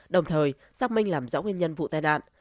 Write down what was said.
đồng thời xác minh làm rõ nguyên nhân vụ tai nạn